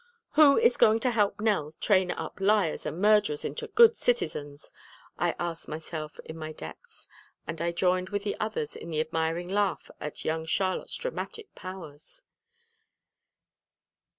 "Who is going to help Nell train up liars and murderers into good citizens?" I asked myself in my depths, as I joined with the others in the admiring laugh at young Charlotte's dramatic powers.